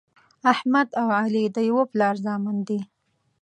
احمد او علي د یوه پلار زامن دي.